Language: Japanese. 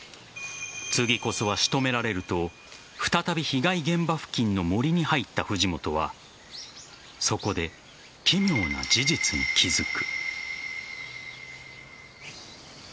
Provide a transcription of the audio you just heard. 次こそは仕留められると再び被害現場付近の森に入った藤本はそこで、奇妙な事実に気付く。